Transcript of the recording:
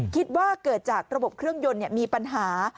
คิดว่าเกิดจากระบบเครื่องยนต์มีปัญหา